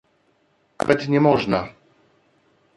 "Nawet nie można."